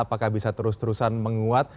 apakah bisa terus terusan menguat